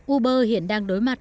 uber hiện đang đối mặt